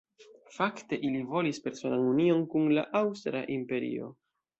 Fakte ili volis personan union kun la Aŭstra Imperio.